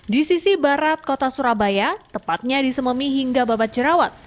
di sisi barat kota surabaya tepatnya di sememi hingga babat jerawat